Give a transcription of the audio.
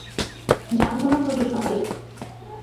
জামগুলো খোঁজ সবাই।